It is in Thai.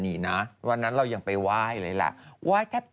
ไหว้เขาบอกบูชาเขารพเขารพเขารพ